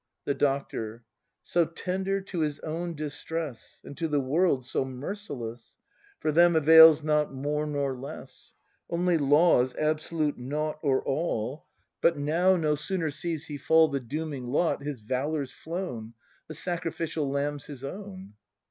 The Doctor. So tender to his own distress. And to the world so merciless! For them avails not more nor less! Only Law's absolute Nought or All, 142 BRAND [act hi But now — no sooner sees he fall The dooming lot, — his valour's flown; — The sacrificial lamb's his own!